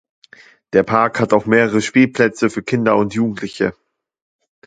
Der Park hat auch mehrere Spielplätze für Kinder und Jugendliche.